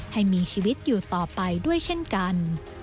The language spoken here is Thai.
ให้มีชีวิตอยู่ต่อไปด้วยเช่นกัน